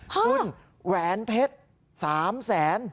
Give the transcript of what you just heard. คุณแหวนเพชร๓แสน